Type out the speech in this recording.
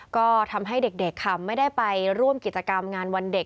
ก็ทำให้เด็กค่ะไม่ได้ไปร่วมกิจกรรมงานวันเด็ก